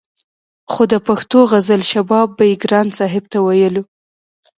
خو د پښتو غزل شباب به يې ګران صاحب ته ويلو